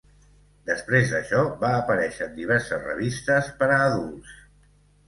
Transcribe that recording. Després d'això, va aparèixer en diverses revistes per a adults.